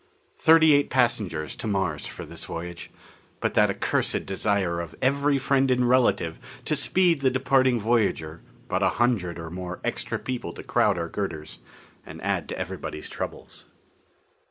Thirty eight passengers to Mars for this voyage, but that accursed desire of every friend and relative to speed the departing voyager brought a hundred or more extra people to crowd our girders and add to everybody's troubles.